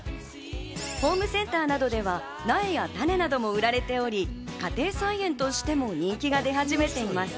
ホームセンターなどでは、苗や種なども売られており、家庭菜園としても人気が出始めています。